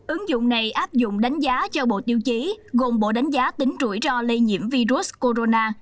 ứng dụng này áp dụng đánh giá cho bộ tiêu chí gồm bộ đánh giá tính rủi ro lây nhiễm virus corona